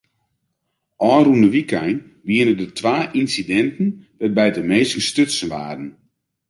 Ofrûne wykein wiene der twa ynsidinten wêrby't minsken stutsen waarden.